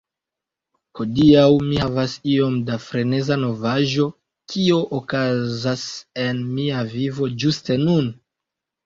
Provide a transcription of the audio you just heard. Hodiaŭ mi havas iom da freneza novaĵo kio okazas en mia vivo ĝuste nun.